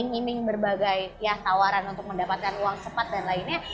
karena iming iming berbagai tawaran untuk mendapatkan uang cepat dan lain lain